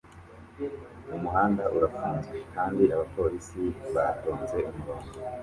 Umuhanda urafunzwe kandi abapolisi batonze umurongo